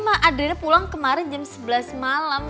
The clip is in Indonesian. ma adriana pulang kemarin jam sebelas malam